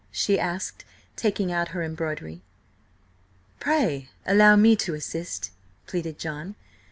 she asked, taking out her embroidery. "Pray allow me to assist!" pleaded John.